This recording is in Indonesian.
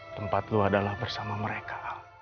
tempat lo adalah bersama mereka